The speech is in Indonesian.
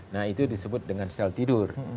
nah itu disebut dengan sel tidur